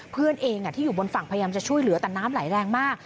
เพื่อนเองที่อยู่บนฝั่งพยายามจะช่วยเหลือแต่น้ำไหลแรงมาก